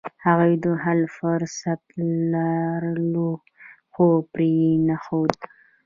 هغوی د حل فرصت لرلو، خو پرې یې نښود.